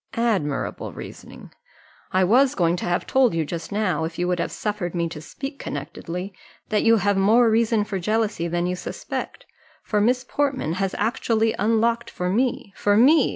"Admirable reasoning! I was going to have told you just now, if you would have suffered me to speak connectedly, that you have more reason for jealousy than you suspect, for Miss Portman has actually unlocked for me for me!